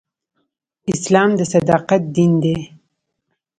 اسلام د صداقت دین دی.